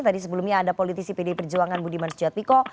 tadi sebelumnya ada politisi pdi perjuangan budiman sujadmiko